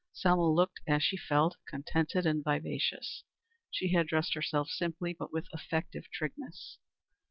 Selma looked, as she felt, contented and vivacious. She had dressed herself simply, but with effective trigness.